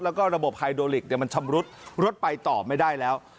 แล้วก็ระบบไฮโดลิกมันชำรุดรถไปต่อไม่ได้แล้ว